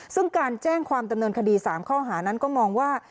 ซึ่งการแจ้งความดำเนินคดี๓ข้อหานั้นก็มองว่า